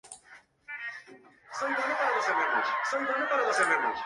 Napoleón planeó invadir y conquistar Inglaterra para terminar con el bloqueo naval británico.